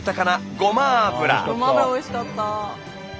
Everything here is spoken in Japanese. ごま油おいしかった。